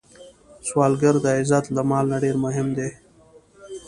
سوالګر ته عزت له مال نه ډېر مهم دی